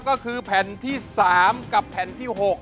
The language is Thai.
ก็คือแผ่นที่๓กับแผ่นที่๖